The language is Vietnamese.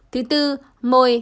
thứ tư mồi